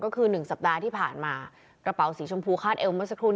ก็คือ๑สัปดาห์ที่ผ่านมากระเป๋าสีชมพูคาดเอวเมื่อสักครู่